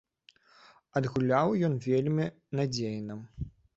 Адгуляў ён вельмі надзейна.